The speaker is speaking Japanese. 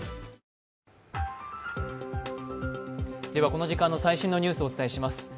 この時間の最新のニュースをお伝えします。